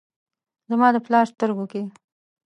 زما د پلار سترګو کې ،